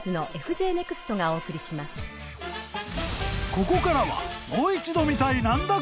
［ここからは］